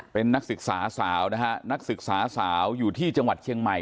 เป็นนักศึกษาสาวนะฮะนักศึกษาสาวอยู่ที่จังหวัดเชียงใหม่